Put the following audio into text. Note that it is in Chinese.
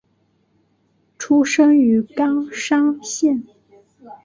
出身于冈山县。